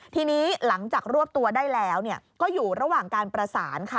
ทีนี้หลังจากรวบตัวได้แล้วก็อยู่ระหว่างการประสานค่ะ